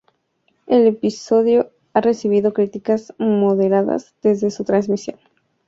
El episodio ha recibido críticas moderadas desde su transmisión.